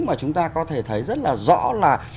mà chúng ta có thể thấy rất là rõ là